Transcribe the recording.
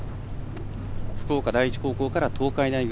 福岡第一高校から東海大学